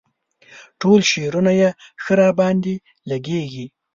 ټول شعرونه یې ښه راباندې لګيږي.